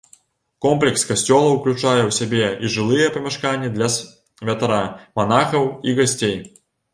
Комплекс касцёла ўключае ў сябе і жылыя памяшканні для святара, манахаў і гасцей.